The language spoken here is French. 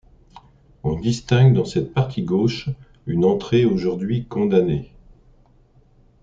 On distingue dans cette partie gauche une entrée aujourd'hui condamnée.